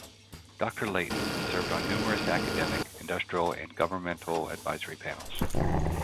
Doctor Leighton has served on numerous academic, industrial, and governmental advisory panels.